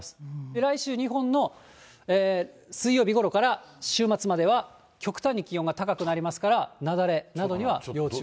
来週、日本の水曜日ごろから週末までは極端に気温が高くなりますから、雪崩などには要注意。